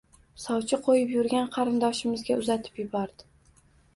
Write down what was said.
Sovchi qo`yib yurgan qarindoshimizga uzatib yubordi